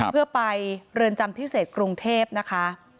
เพื่อไปเรือนจำพิเศษกรุงเทพนะคะ